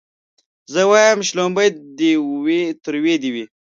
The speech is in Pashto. زه وايم شلومبې دي وي تروې دي وي